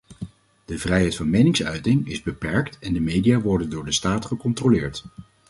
De vrijheid van meningsuiting is beperkt en de media worden door de staat gecontroleerd.